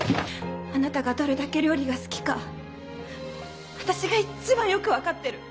あなたがどれだけ料理が好きか私が一番よく分かってる。